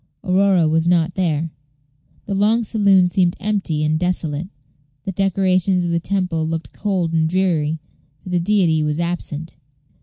Aurora was not there. The long saloon seemed empty and desolate. The decorations of the temple looked cold and dreary, for the deity was absent.